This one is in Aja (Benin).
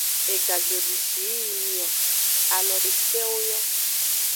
Ega gbe dushi yi yi emio, alo dekewo yo.